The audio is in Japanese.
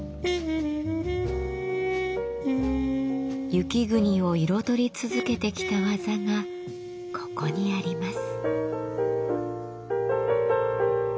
雪国を彩り続けてきた技がここにあります。